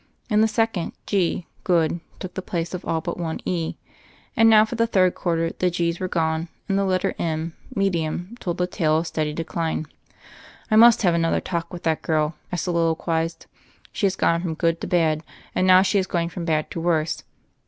In the second G — good — ^took the place of all but one E. And now for the third quarter, the G's were gone, and the letter M — ^medium — ^told the tale of steady decline. "I must have another talk with that girl," I soliloquized. "She has gone from good to bad, and now she is going from bad to worse.